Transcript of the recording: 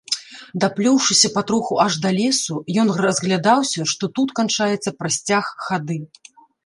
Даплёўшыся патроху аж да лесу, ён разглядаўся, што тут канчаецца прасцяг хады.